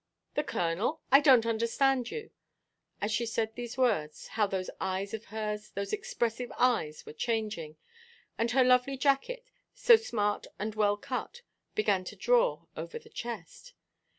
"The Colonel! I donʼt understand you." As she said these words, how those eyes of hers, those expressive eyes, were changing! And her lovely jacket, so smart and well cut, began to "draw" over the chest.